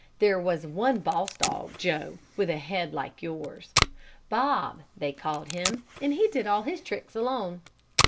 There was one boss dog, Joe, with a head like yours. Bob, they called him, and he did all his tricks alone.